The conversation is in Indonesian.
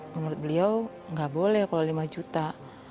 menurut beliau nggak boleh kalau lima juta